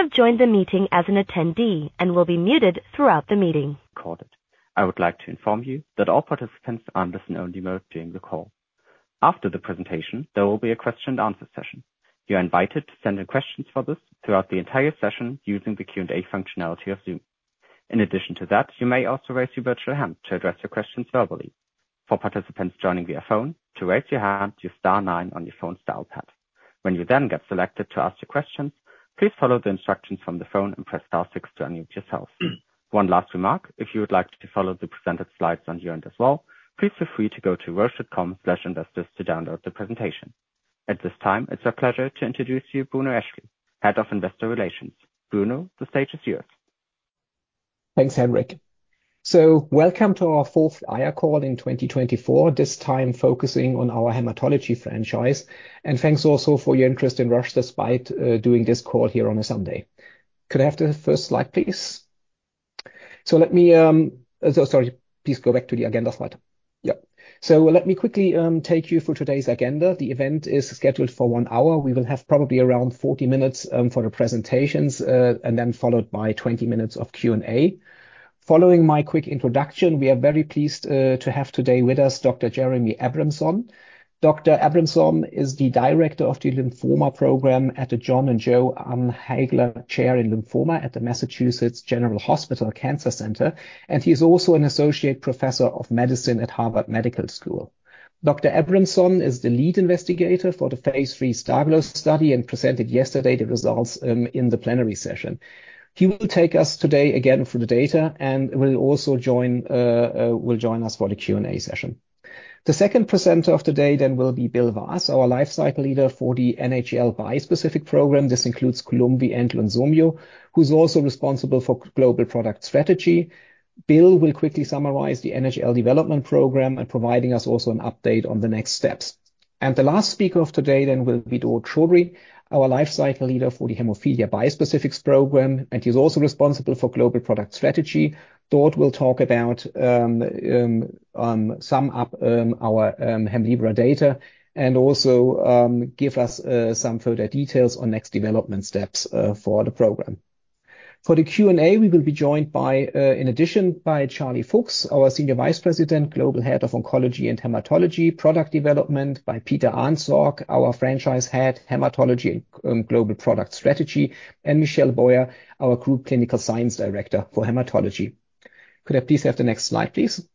You have joined the meeting as an attendee and will be muted throughout the meeting. Recorded. I would like to inform you that all participants are in listen-only mode during the call. After the presentation, there will be a question and answer session. You are invited to send in questions for this throughout the entire session using the Q&A functionality of Zoom. In addition to that, you may also raise your virtual hand to address your questions verbally. For participants joining via phone, to raise your hand, use star nine on your phone's dial pad. When you then get selected to ask your questions, please follow the instructions from the phone and press star six to unmute yourself. One last remark, if you would like to follow the presented slides on your end as well, please feel free to go to roche.com/investors to download the presentation. At this time, it's my pleasure to introduce you, Bruno Eschli, Head of Investor Relations. Bruno, the stage is yours. Thanks, Henrik. So welcome to our fourth IR call in 2024, this time focusing on our hematology franchise. Thanks also for your interest in Roche, despite doing this call here on a Sunday. Could I have the first slide, please? So let me... So sorry, please go back to the agenda slide. Yep. So let me quickly take you through today's agenda. The event is scheduled for one hour. We will have probably around 40 minutes for the presentations, and then followed by 20 minutes of Q&A. Following my quick introduction, we are very pleased to have today with us Dr. Jeremy Abramson. Dr. Abramson is the director of the Lymphoma Program at the Jon and Jo Ann Hagler Chair in Lymphoma at the Massachusetts General Hospital Cancer Center, and he's also an associate professor of medicine at Harvard Medical School. Dr. Abramson is the lead investigator for the phase III STARGLO study and presented yesterday the results in the plenary session. He will take us today again through the data and will also join, will join us for the Q&A session. The second presenter of the day then will be Bill Waas, our lifecycle leader for the NHL Bispecific program. This includes Columvi and Lunsumio, who's also responsible for Global Product Strategy. Bill will quickly summarize the NHL development program and providing us also an update on the next steps. The last speaker of today then will be Daud Chaudry, our lifecycle leader for the Hemophilia Bispecifics Program, and he's also responsible for Global Product Strategy. Daud will talk about sum up our Hemlibra data and also give us some further details on next development steps for the program. For the Q&A, we will be joined by, in addition, by Charlie Fuchs, our Senior Vice President, Global Head of Oncology and Hematology, Product Development, by Peter Ahnesorg, our Franchise Head, Hematology and Global Product Strategy, and Michelle Boyer, our Group Clinical Science Director for Hematology. Could I please have the next slide, please?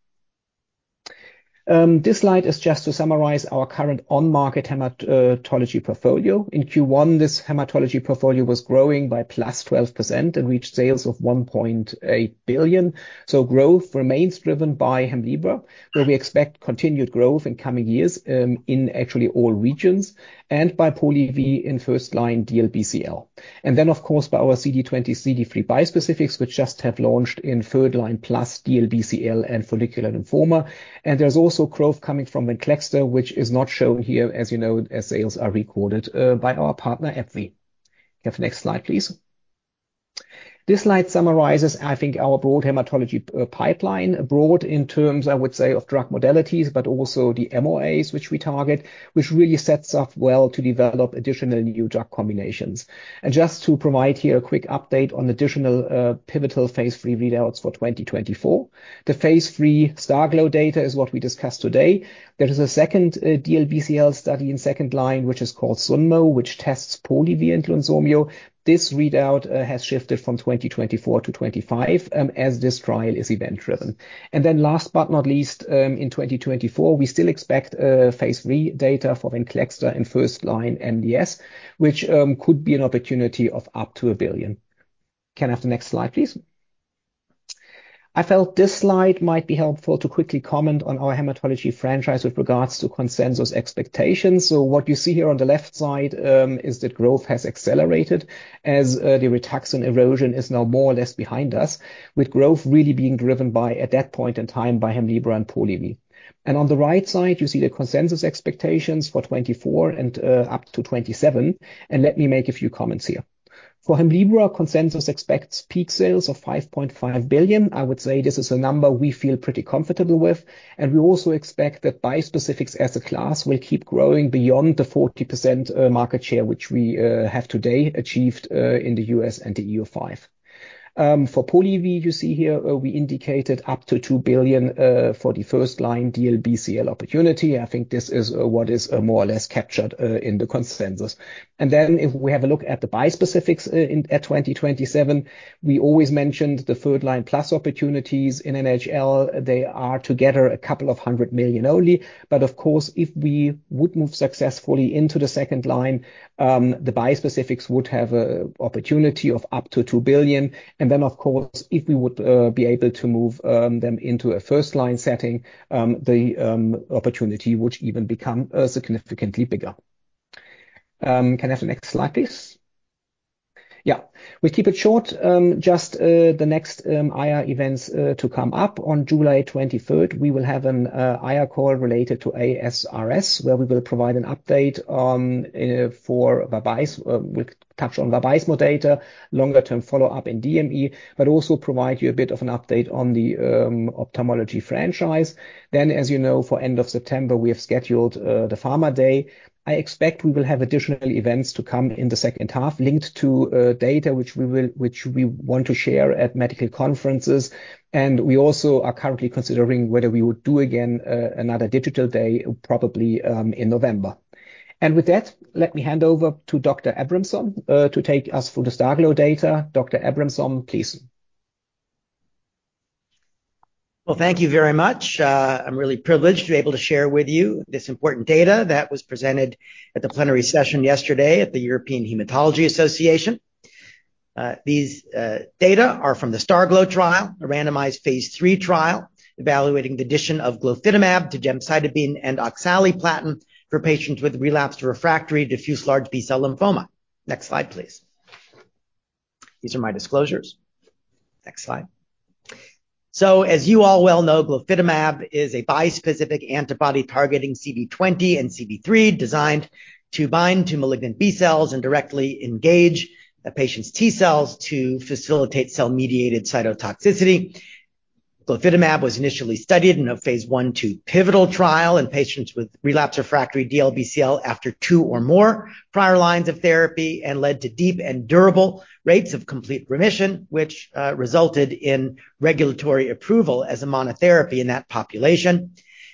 This slide is just to summarize our current on-market hematology portfolio. In Q1, this hematology portfolio was growing by +12% and reached sales of 1.8 billion. So growth remains driven by Hemlibra, where we expect continued growth in coming years, in actually all regions, and by Polivy in first-line DLBCL. And then, of course, by our CD20/CD3 bispecifics, which just have launched in third-line plus DLBCL and follicular lymphoma. And there's also growth coming from Venclexta, which is not shown here, as you know, as sales are recorded by our partner, AbbVie. Can I have the next slide, please? This slide summarizes, I think, our broad hematology pipeline. Broad in terms, I would say, of drug modalities, but also the MOAs which we target, which really sets up well to develop additional new drug combinations. And just to provide here a quick update on additional pivotal phase III readouts for 2024. The phase III STARGLO data is what we discussed today. There is a second DLBCL study in second line, which is called SUNMO, which tests Polivy and Lunsumio. This readout has shifted from 2024-2025, as this trial is event-driven. Then last but not least, in 2024, we still expect phase III data for Venclexta in first-line MDS, which could be an opportunity of up to 1 billion. Can I have the next slide, please? I felt this slide might be helpful to quickly comment on our hematology franchise with regards to consensus expectations. So what you see here on the left side is that growth has accelerated as the Rituxan erosion is now more or less behind us, with growth really being driven by, at that point in time, by Hemlibra and Polivy. And on the right side, you see the consensus expectations for 2024 and up to 2027, and let me make a few comments here. For Hemlibra, consensus expects peak sales of 5.5 billion. I would say this is a number we feel pretty comfortable with, and we also expect that bispecifics as a class will keep growing beyond the 40%, market share, which we, have today achieved, in the U.S. and the EU5. For Polivy, you see here, we indicated up to 2 billion, for the first-line DLBCL opportunity. I think this is, what is, more or less captured, in the consensus. And then if we have a look at the bispecifics, in, at 2027, we always mentioned the third-line plus opportunities in NHL. They are together a couple of hundred million only, but of course, if we would move successfully into the second line, the bispecifics would have a opportunity of up to 2 billion. And then, of course, if we would be able to move them into a first-line setting, the opportunity would even become significantly bigger. Can I have the next slide, please? Yeah, we keep it short. Just the next IR events to come up. On July 23rd, we will have an IR call related to ASRS, where we will provide an update on for Vabysmo. We'll touch on Vabysmo data, longer-term follow-up in DME, but also provide you a bit of an update on the ophthalmology franchise. Then, as you know, for end of September, we have scheduled the Pharma Day. I expect we will have additional events to come in the second half linked to data which we want to share at medical conferences, and we also are currently considering whether we would do again another digital day, probably in November. And with that, let me hand over to Dr. Abramson to take us through the STARGLO data. Dr. Abramson, please. Well, thank you very much. I'm really privileged to be able to share with you this important data that was presented at the plenary session yesterday at the European Hematology Association. These data are from the STARGLO trial, a randomized phase III trial, evaluating the addition of glofitamab to gemcitabine and oxaliplatin for patients with relapsed refractory diffuse large B-cell lymphoma. Next slide, please. These are my disclosures. Next slide. So, as you all well know, glofitamab is a bispecific antibody targeting CD20 and CD3, designed to bind to malignant B-cells and directly engage a patient's T-cells to facilitate cell-mediated cytotoxicity. Glofitamab was initially studied in a phase I/II pivotal trial in patients with relapsed refractory DLBCL after two or more prior lines of therapy and led to deep and durable rates of complete remission, which resulted in regulatory approval as a monotherapy in that population.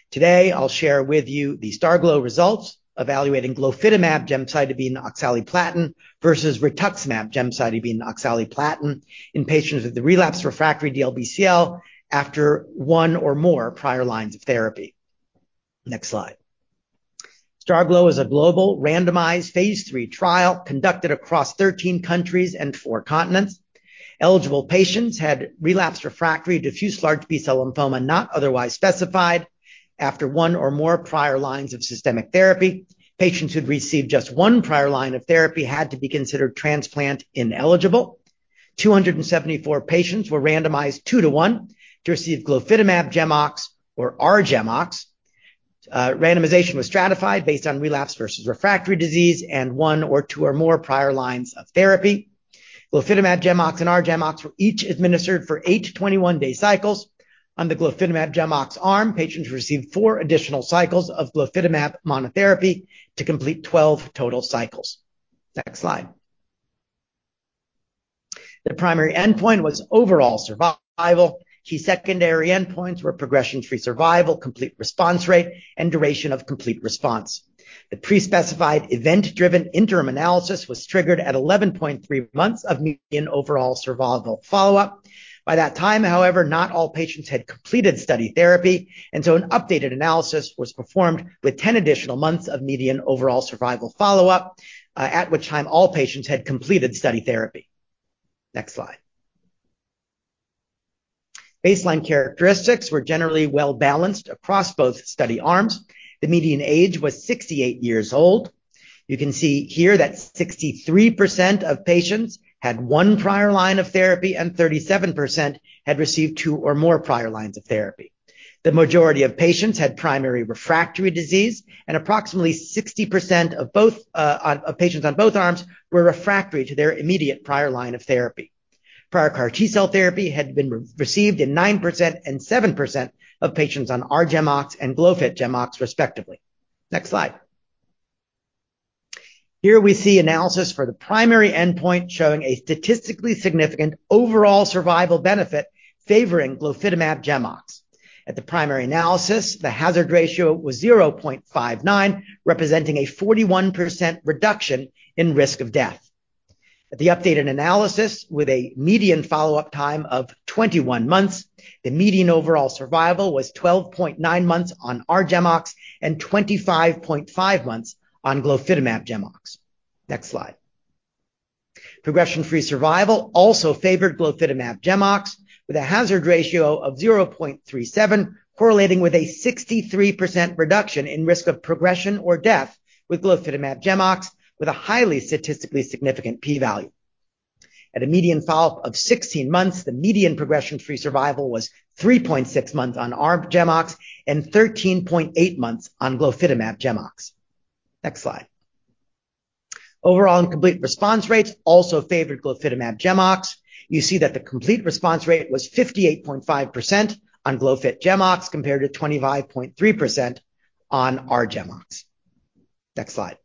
Today, I'll share with you the STARGLO results, evaluating glofitamab gemcitabine oxaliplatin versus rituximab gemcitabine oxaliplatin in patients with the relapsed refractory DLBCL after one or more prior lines of therapy. Next slide. STARGLO is a global randomized phase III trial conducted across 13 countries and four continents. Eligible patients had relapsed refractory diffuse large B-cell lymphoma, not otherwise specified, after one or more prior lines of systemic therapy. Patients who'd received just one prior line of therapy had to be considered transplant ineligible. 274 patients were randomized 2:1 to receive glofitamab GEMOX or R-GEMOX. Randomization was stratified based on relapse versus refractory disease and one or two or more prior lines of therapy. Glofitamab GEMOX and R-GEMOX were each administered for eight 21-day cycles. On the glofitamab GEMOX arm, patients received four additional cycles of glofitamab monotherapy to complete 12 total cycles. Next slide. The primary endpoint was overall survival. Key secondary endpoints were progression-free survival, complete response rate, and duration of complete response. The pre-specified event-driven interim analysis was triggered at 11.3 months of median overall survival follow-up. By that time, however, not all patients had completed study therapy, and so an updated analysis was performed with 10 additional months of median overall survival follow-up, at which time all patients had completed study therapy. Next slide. Baseline characteristics were generally well-balanced across both study arms. The median age was 68 years old. You can see here that 63% of patients had one prior line of therapy and 37% had received two or more prior lines of therapy. The majority of patients had primary refractory disease, and approximately 60% of patients on both arms were refractory to their immediate prior line of therapy. Prior CAR T-cell therapy had been received in 9% and 7% of patients on R-GEMOX and glofitamab GEMOX, respectively. Next slide. Here we see analysis for the primary endpoint, showing a statistically significant overall survival benefit favoring glofitamab GEMOX. At the primary analysis, the hazard ratio was 0.59, representing a 41% reduction in risk of death. At the updated analysis, with a median follow-up time of 21 months, the median overall survival was 12.9 months on R-GEMOX and 25.5 months on glofitamab GEMOX. Next slide. Progression-free survival also favored glofitamab GEMOX, with a hazard ratio of 0.37, correlating with a 63% reduction in risk of progression or death with glofitamab GEMOX, with a highly statistically significant p-value. At a median follow-up of 16 months, the median progression-free survival was 3.6 months on R-GEMOX and 13.8 months on glofitamab GEMOX. Next slide. Overall, in complete response rates also favored glofitamab GEMOX. You see that the complete response rate was 58.5% on glofitamab GEMOX, compared to 25.3% on R-GEMOX. Next slide.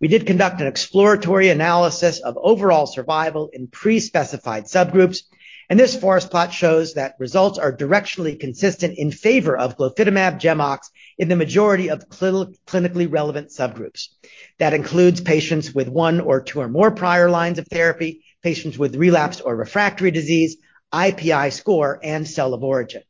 We did conduct an exploratory analysis of overall survival in pre-specified subgroups, and this forest plot shows that results are directionally consistent in favor of glofitamab GEMOX in the majority of clinically relevant subgroups. That includes patients with one or two or more prior lines of therapy, patients with relapsed or refractory disease, IPI score, and cell of origin.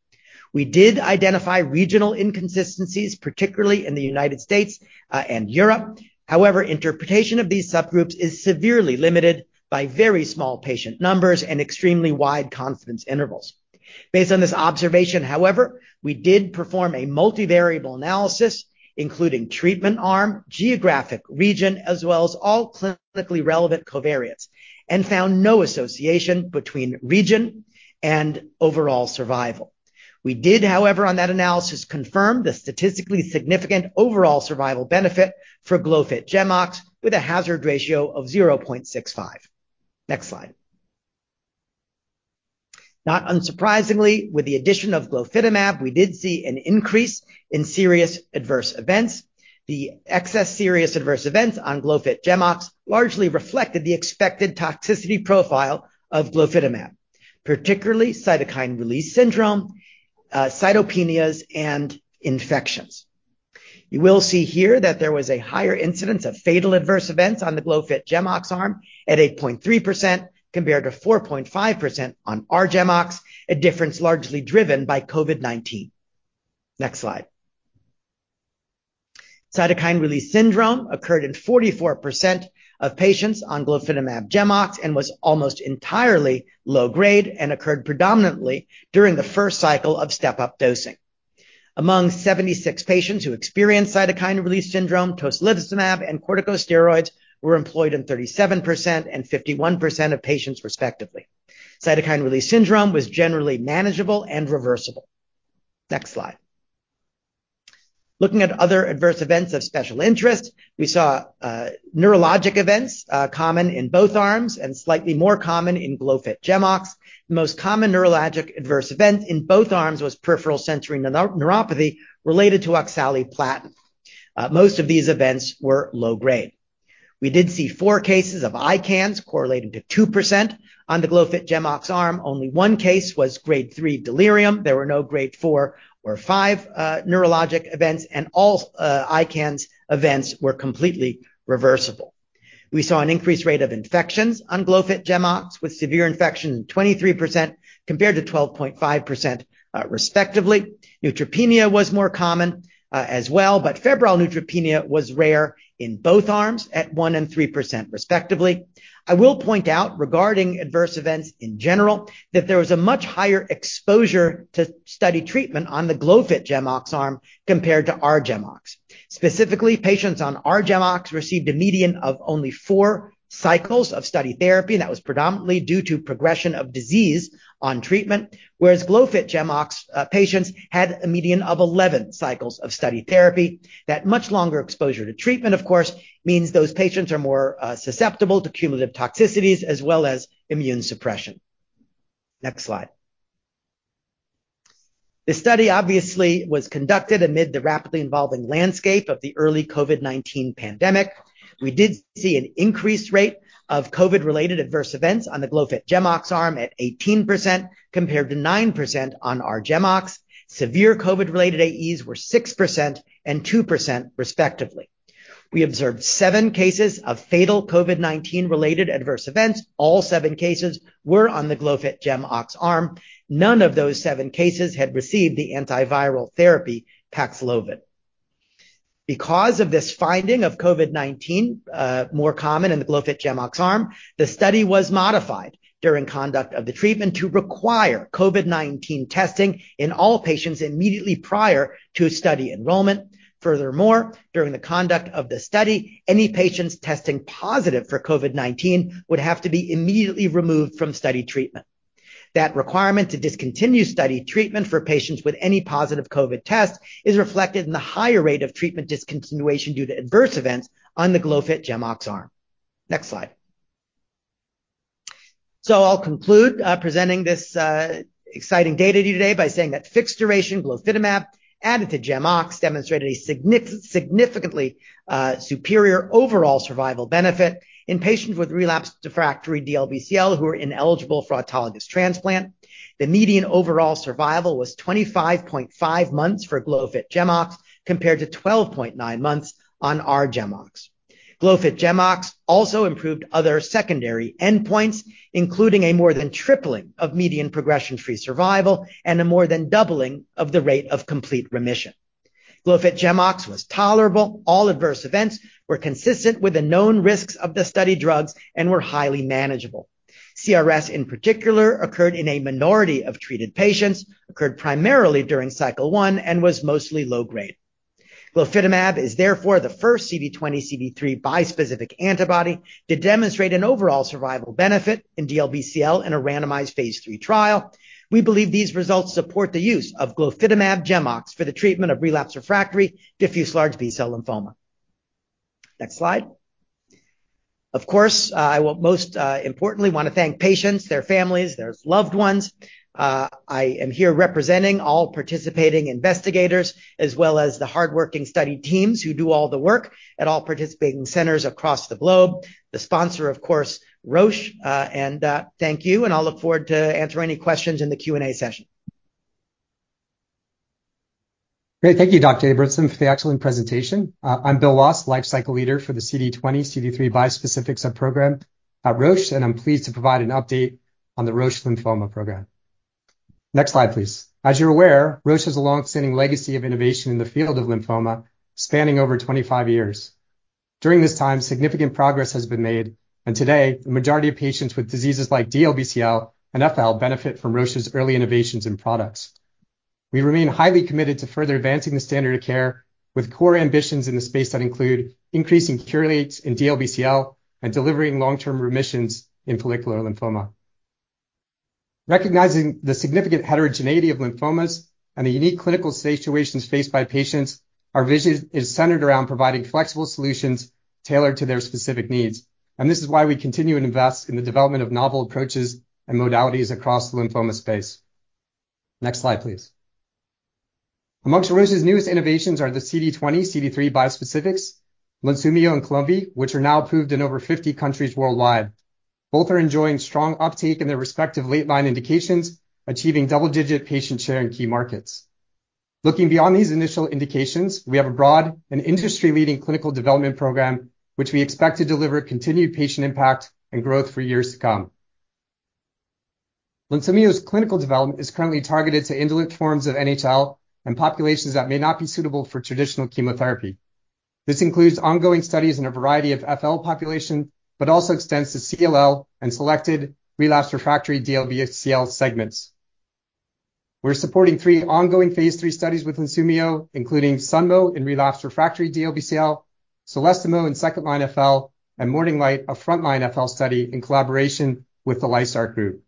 We did identify regional inconsistencies, particularly in the United States and Europe. However, interpretation of these subgroups is severely limited by very small patient numbers and extremely wide confidence intervals. Based on this observation, however, we did perform a multivariable analysis, including treatment arm, geographic region, as well as all clinically relevant covariates, and found no association between region and overall survival. We did, however, on that analysis, confirm the statistically significant overall survival benefit for glofitamab GEMOX with a hazard ratio of 0.65. Next slide. Not unsurprisingly, with the addition of glofitamab, we did see an increase in serious adverse events. The excess serious adverse events on glofitamab GEMOX largely reflected the expected toxicity profile of glofitamab. particularly cytokine release syndrome, cytopenias, and infections. You will see here that there was a higher incidence of fatal adverse events on the glofitamab GEMOX arm at 8.3%, compared to 4.5% on R-GEMOX, a difference largely driven by COVID-19. Next slide. Cytokine release syndrome occurred in 44% of patients on glofitamab GEMOX and was almost entirely low grade and occurred predominantly during the first cycle of step-up dosing. Among 76 patients who experienced cytokine release syndrome, tocilizumab and corticosteroids were employed in 37% and 51% of patients, respectively. Cytokine release syndrome was generally manageable and reversible. Next slide. Looking at other adverse events of special interest, we saw neurologic events common in both arms and slightly more common in glofitamab GEMOX. The most common neurologic adverse event in both arms was peripheral sensory neuropathy related to oxaliplatin. Most of these events were low grade. We did see four cases of ICANS correlated to 2% on the Glofit GEMOX arm. Only one case was grade three delirium. There were no grade four or five neurologic events, and all ICANS events were completely reversible. We saw an increased rate of infections on Glofit GEMOX, with severe infections in 23% compared to 12.5%, respectively. Neutropenia was more common as well, but febrile neutropenia was rare in both arms at 1% and 3%, respectively. I will point out, regarding adverse events in general, that there was a much higher exposure to study treatment on the Glofit GEMOX arm compared to R-GEMOX. Specifically, patients on R-GEMOX received a median of only four cycles of study therapy, and that was predominantly due to progression of disease on treatment, whereas Glofit GEMOX patients had a median of 11 cycles of study therapy. That much longer exposure to treatment, of course, means those patients are more susceptible to cumulative toxicities as well as immune suppression. Next slide. This study obviously was conducted amid the rapidly evolving landscape of the early COVID-19 pandemic. We did see an increased rate of COVID-related adverse events on the Glofit GEMOX arm at 18%, compared to 9% on R-GEMOX. Severe COVID-related AEs were 6% and 2%, respectively. We observed seven cases of fatal COVID-19-related adverse events. All seven cases were on the Glofit GEMOX arm. None of those seven cases had received the antiviral therapy, Paxlovid. Because of this finding of COVID-19, more common in the glofitamab GEMOX arm, the study was modified during conduct of the treatment to require COVID-19 testing in all patients immediately prior to study enrollment. Furthermore, during the conduct of the study, any patients testing positive for COVID-19 would have to be immediately removed from study treatment. That requirement to discontinue study treatment for patients with any positive COVID test is reflected in the higher rate of treatment discontinuation due to adverse events on the glofitamab GEMOX arm. Next slide. So I'll conclude presenting this exciting data to you today by saying that fixed duration glofitamab, added to GEMOX, demonstrated a significantly superior overall survival benefit in patients with relapsed refractory DLBCL who are ineligible for autologous transplant. The median overall survival was 25.5 months for glofitamab GEMOX, compared to 12.9 months on R-GEMOX. Glofitamab GEMOX also improved other secondary endpoints, including a more than tripling of median progression-free survival and a more than doubling of the rate of complete remission. Glofitamab GEMOX was tolerable. All adverse events were consistent with the known risks of the study drugs and were highly manageable. CRS, in particular, occurred in a minority of treated patients, occurred primarily during cycle one, and was mostly low grade. Glofitamab is therefore the first CD20/CD3 bispecific antibody to demonstrate an overall survival benefit in DLBCL in a randomized phase III trial. We believe these results support the use of glofitamab GEMOX for the treatment of relapse refractory diffuse large B-cell lymphoma. Next slide. Of course, I will most importantly want to thank patients, their families, their loved ones. I am here representing all participating investigators, as well as the hardworking study teams who do all the work at all participating centers across the globe. The sponsor, of course, Roche. Thank you, and I'll look forward to answering any questions in the Q&A session. Great. Thank you, Dr. Abramson, for the excellent presentation. I'm Bill Waas, Lifecycle Leader for the CD20/CD3 bispecific subprogram at Roche, and I'm pleased to provide an update on the Roche lymphoma program. Next slide, please. As you're aware, Roche has a long-standing legacy of innovation in the field of lymphoma spanning over 25 years. During this time, significant progress has been made, and today, the majority of patients with diseases like DLBCL and FL benefit from Roche's early innovations and products. We remain highly committed to further advancing the standard of care with core ambitions in the space that include increasing cure rates in DLBCL and delivering long-term remissions in follicular lymphoma. Recognizing the significant heterogeneity of lymphomas and the unique clinical situations faced by patients, our vision is centered around providing flexible solutions tailored to their specific needs, and this is why we continue to invest in the development of novel approaches and modalities across the lymphoma space. Next slide, please. Among Roche's newest innovations are the CD20, CD3 bispecifics, Lunsumio and Columvi, which are now approved in over 50 countries worldwide. Both are enjoying strong uptake in their respective late line indications, achieving double-digit patient share in key markets. Looking beyond these initial indications, we have a broad and industry-leading clinical development program, which we expect to deliver continued patient impact and growth for years to come. Lunsumio's clinical development is currently targeted to indolent forms of NHL and populations that may not be suitable for traditional chemotherapy. This includes ongoing studies in a variety of FL population, but also extends to CLL and selected relapse refractory DLBCL segments. We're supporting three ongoing phase III studies with Lunsumio, including SUNMO in relapse refractory DLBCL, CELESTIMO in second-line FL, and MORNING SUN, a frontline FL study in collaboration with the LYSARC Group.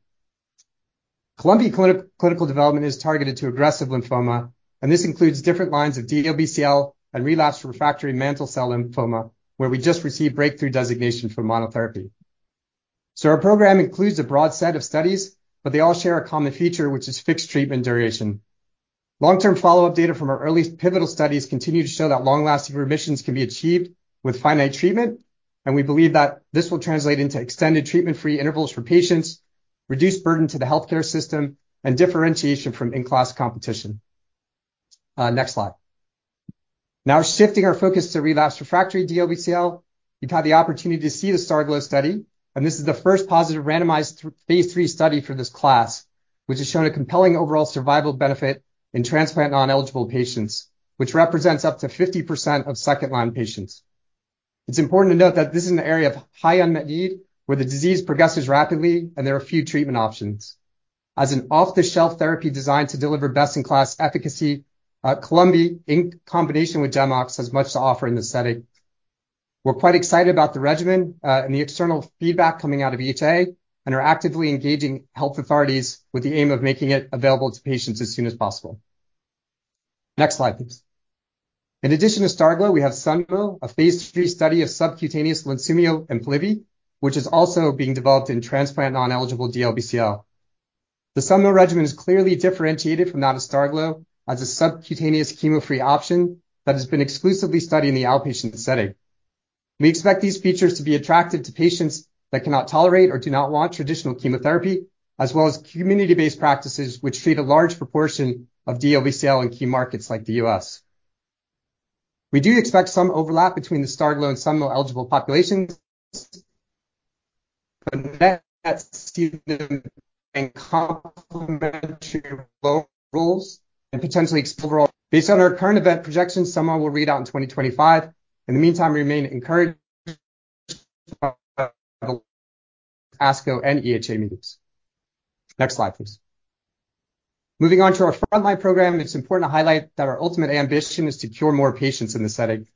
Columvi clinical development is targeted to aggressive lymphoma, and this includes different lines of DLBCL and relapsed refractory mantle cell lymphoma, where we just received breakthrough designation for monotherapy. Our program includes a broad set of studies, but they all share a common feature, which is fixed treatment duration. Long-term follow-up data from our early pivotal studies continue to show that long-lasting remissions can be achieved with finite treatment, and we believe that this will translate into extended treatment-free intervals for patients, reduce burden to the healthcare system, and differentiation from in-class competition. Next slide. Now, shifting our focus to relapsed/refractory DLBCL, you've had the opportunity to see the STARGLO study, and this is the first positive randomized phase III study for this class, which has shown a compelling overall survival benefit in transplant non-eligible patients, which represents up to 50% of second-line patients. It's important to note that this is an area of high unmet need, where the disease progresses rapidly and there are few treatment options. As an off-the-shelf therapy designed to deliver best-in-class efficacy, Columvi, in combination with GEMOX, has much to offer in this setting. We're quite excited about the regimen, and the external feedback coming out of EHA, and are actively engaging health authorities with the aim of making it available to patients as soon as possible. Next slide, please. In addition to STARGLO, we have SUNMO, a phase III study of subcutaneous Lunsumio and Polivy, which is also being developed in transplant non-eligible DLBCL. The SUNMO regimen is clearly differentiated from that of STARGLO as a subcutaneous chemo-free option that has been exclusively studied in the outpatient setting. We expect these features to be attractive to patients that cannot tolerate or do not want traditional chemotherapy, as well as community-based practices, which treat a large proportion of DLBCL in key markets like the US. We do expect some overlap between the STARGLO and SUNMO-eligible populations, but they stand in complementary roles and potentially overall. Based on our current enrollment projections, SUNMO will read out in 2025. In the meantime, we remain encouraged by ASCO and EHA meetings. Next slide, please. Moving on to our frontline program, it's important to highlight that our ultimate ambition is to cure more patients in this setting.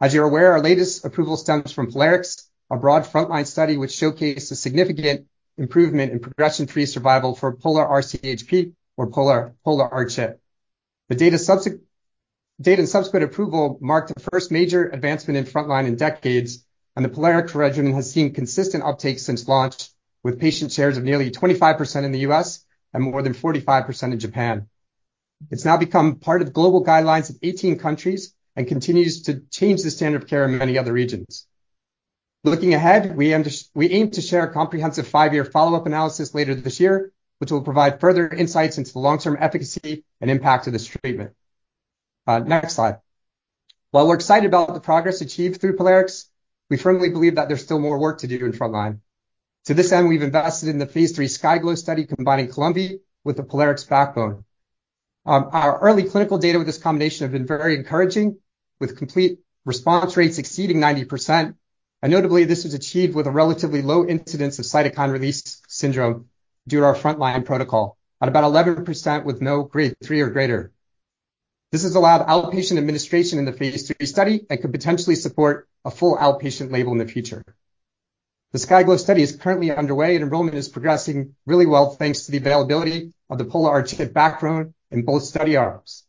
As you're aware, our latest approval stems from Polarix, a broad frontline study which showcased a significant improvement in progression-free survival for Pola-R-CHP. The subsequent data and subsequent approval marked the first major advancement in frontline in decades, and the Polarix regimen has seen consistent uptake since launch, with patient shares of nearly 25% in the US and more than 45% in Japan. It's now become part of global guidelines of 18 countries and continues to change the standard of care in many other regions. Looking ahead, we unders... We aim to share a comprehensive 5-year follow-up analysis later this year, which will provide further insights into the long-term efficacy and impact of this treatment. Next slide. While we're excited about the progress achieved through Polarix, we firmly believe that there's still more work to do in frontline. To this end, we've invested in the phase III SKYGLO study, combining Columvi with the Polarix backbone. Our early clinical data with this combination have been very encouraging, with complete response rates exceeding 90%, and notably, this was achieved with a relatively low incidence of cytokine release syndrome due to our frontline protocol, at about 11%, with no Grade 3 or greater. This has allowed outpatient administration in the phase III study and could potentially support a full outpatient label in the future. The SKYGLO study is currently underway, and enrollment is progressing really well, thanks to the availability of the Pola-R-CHP backbone in both study arms.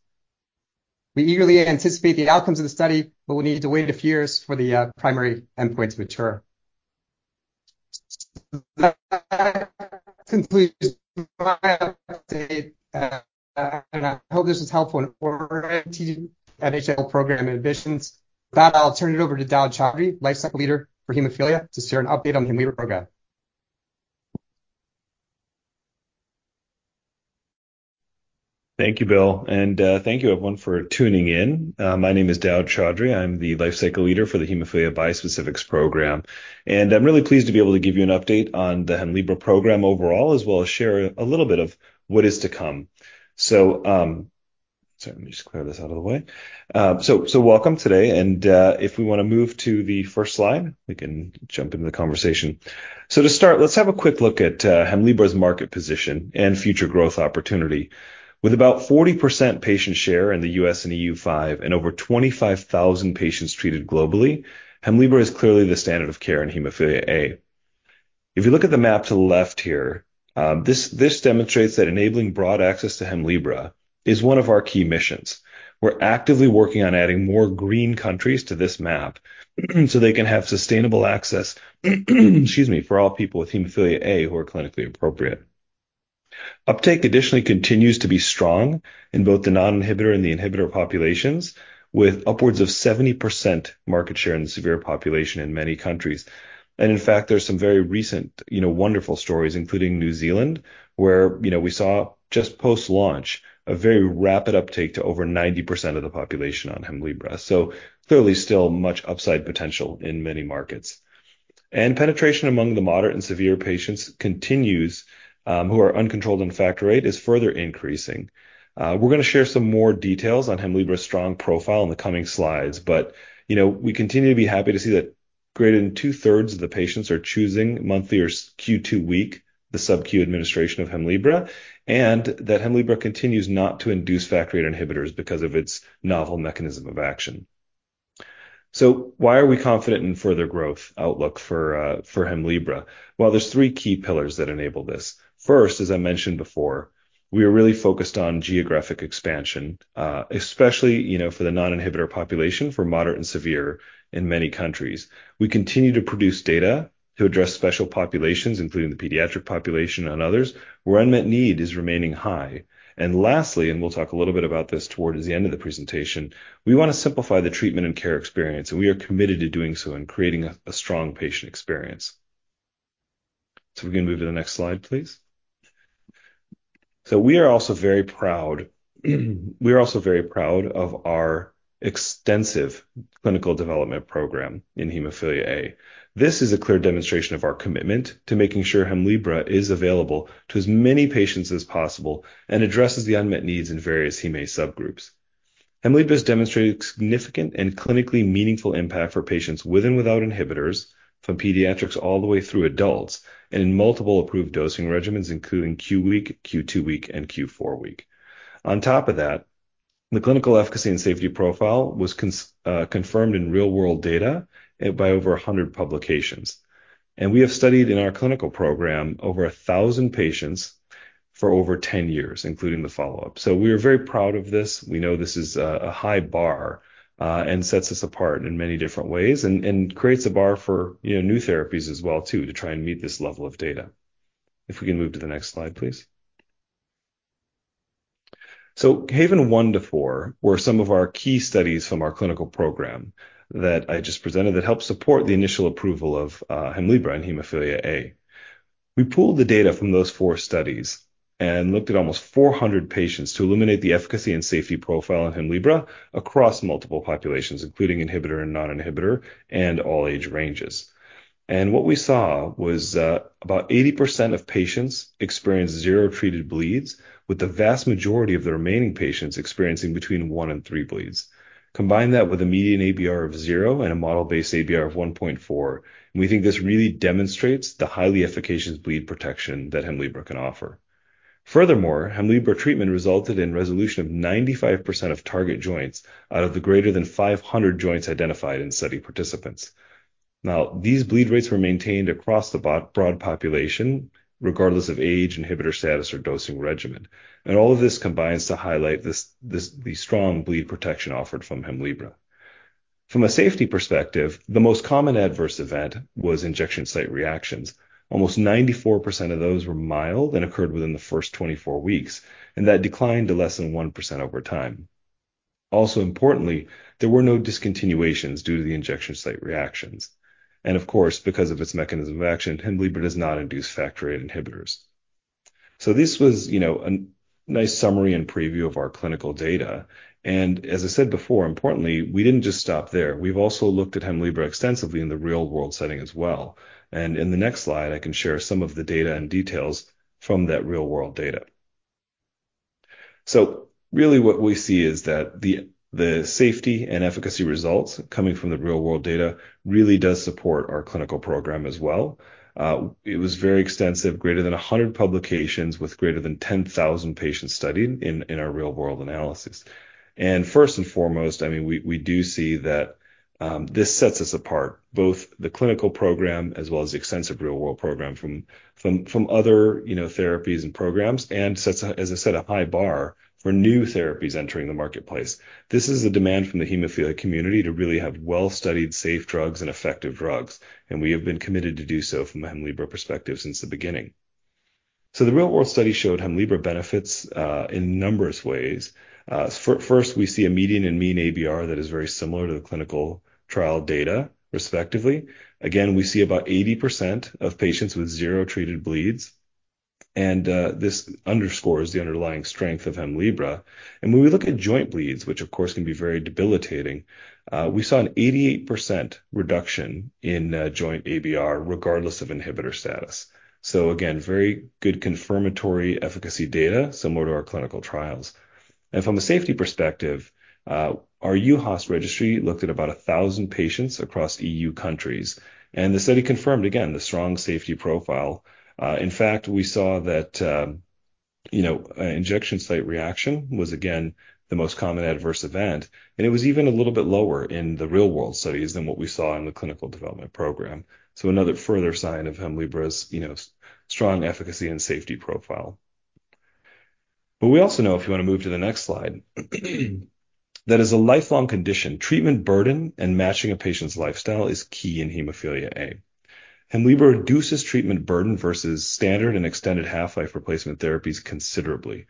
We eagerly anticipate the outcomes of the study, but we need to wait a few years for the primary endpoint to mature. That concludes my update, and I hope this is helpful in our NHL program ambitions. With that, I'll turn it over to Daud Chaudry, Lifecycle Leader for Hemophilia, to share an update on the Hemlibra program. Thank you, Bill, and thank you, everyone, for tuning in. My name is Daud Chaudry. I'm the Lifecycle Leader for the Hemophilia Bispecifics program, and I'm really pleased to be able to give you an update on the Hemlibra program overall, as well as share a little bit of what is to come. So, let me just clear this out of the way. So, welcome today, and if we wanna move to the first slide, we can jump into the conversation. So to start, let's have a quick look at Hemlibra's market position and future growth opportunity. With about 40% patient share in the U.S. and EU5, and over 25,000 patients treated globally, Hemlibra is clearly the standard of care in hemophilia A. If you look at the map to the left here, this demonstrates that enabling broad access to Hemlibra is one of our key missions. We're actively working on adding more green countries to this map, so they can have sustainable access, excuse me, for all people with hemophilia A who are clinically appropriate. Uptake additionally continues to be strong in both the non-inhibitor and the inhibitor populations, with upwards of 70% market share in the severe population in many countries. And in fact, there's some very recent, you know, wonderful stories, including New Zealand, where, you know, we saw just post-launch, a very rapid uptake to over 90% of the population on Hemlibra. So clearly, still much upside potential in many markets. And penetration among the moderate and severe patients continues, who are uncontrolled in factor VIII, is further increasing. We're gonna share some more details on Hemlibra's strong profile in the coming slides, but, you know, we continue to be happy to see that greater than two-thirds of the patients are choosing monthly or Q2 week, the sub-Q administration of Hemlibra, and that Hemlibra continues not to induce factor VIII inhibitors because of its novel mechanism of action. So why are we confident in further growth outlook for, for Hemlibra? Well, there's three key pillars that enable this. First, as I mentioned before, we are really focused on geographic expansion, especially, you know, for the non-inhibitor population, for moderate and severe in many countries. We continue to produce data to address special populations, including the pediatric population and others, where unmet need is remaining high. And lastly, and we'll talk a little bit about this towards the end of the presentation, we want to simplify the treatment and care experience, and we are committed to doing so and creating a strong patient experience. So we can move to the next slide, please. So we are also very proud, we are also very proud of our extensive clinical development program in hemophilia A. This is a clear demonstration of our commitment to making sure Hemlibra is available to as many patients as possible and addresses the unmet needs in various HemA subgroups. Hemlibra has demonstrated significant and clinically meaningful impact for patients with and without inhibitors, from pediatrics all the way through adults, and in multiple approved dosing regimens, including Q-week, Q-two-week, and Q-four-week. On top of that, the clinical efficacy and safety profile was confirmed in real-world data by over 100 publications. We have studied in our clinical program over 1,000 patients for over 10 years, including the follow-up. So we are very proud of this. We know this is a high bar and sets us apart in many different ways and creates a bar for, you know, new therapies as well too, to try and meet this level of data. If we can move to the next slide, please. So HAVEN I-IV were some of our key studies from our clinical program that I just presented that helped support the initial approval of Hemlibra in hemophilia A. We pooled the data from those four studies and looked at almost 400 patients to illuminate the efficacy and safety profile in Hemlibra across multiple populations, including inhibitor and non-inhibitor, and all age ranges. What we saw was, about 80% of patients experienced zero treated bleeds, with the vast majority of the remaining patients experiencing between one and three bleeds. Combine that with a median ABR of zero and a model-based ABR of 1.4, and we think this really demonstrates the highly efficacious bleed protection that Hemlibra can offer. Furthermore, Hemlibra treatment resulted in resolution of 95% of target joints out of the greater than 500 joints identified in study participants. Now, these bleed rates were maintained across the broad population, regardless of age, inhibitor status, or dosing regimen. All of this combines to highlight the strong bleed protection offered from Hemlibra. From a safety perspective, the most common adverse event was injection site reactions. Almost 94% of those were mild and occurred within the first 24 weeks, and that declined to less than 1% over time. Also, importantly, there were no discontinuations due to the injection site reactions. Of course, because of its mechanism of action, Hemlibra does not induce factor VIII inhibitors. This was, you know, a nice summary and preview of our clinical data. As I said before, importantly, we didn't just stop there. We've also looked at Hemlibra extensively in the real-world setting as well. In the next slide, I can share some of the data and details from that real-world data. So really what we see is that the, the safety and efficacy results coming from the real-world data really does support our clinical program as well. It was very extensive, greater than 100 publications, with greater than 10,000 patients studied in, in our real-world analysis. First and foremost, I mean, we, we do see that, this sets us apart, both the clinical program as well as the extensive real-world program from, from, from other, you know, therapies and programs, and sets, as I said, a high bar for new therapies entering the marketplace. This is a demand from the hemophilia community to really have well-studied, safe drugs and effective drugs, and we have been committed to do so from a Hemlibra perspective since the beginning. So the real-world study showed Hemlibra benefits, in numerous ways. First, we see a median and mean ABR that is very similar to the clinical trial data, respectively. Again, we see about 80% of patients with zero treated bleeds, and this underscores the underlying strength of Hemlibra. When we look at joint bleeds, which of course can be very debilitating, we saw an 88% reduction in joint ABR, regardless of inhibitor status. Again, very good confirmatory efficacy data similar to our clinical trials. From a safety perspective, our EUHASS registry looked at about 1,000 patients across EU countries, and the study confirmed, again, the strong safety profile. In fact, we saw that, you know, injection site reaction was again the most common adverse event, and it was even a little bit lower in the real-world studies than what we saw in the clinical development program. So another further sign of Hemlibra's, you know, strong efficacy and safety profile. But we also know, if you want to move to the next slide, that is a lifelong condition. Treatment burden and matching a patient's lifestyle is key in hemophilia A. Hemlibra reduces treatment burden versus standard and extended half-life replacement therapies considerably.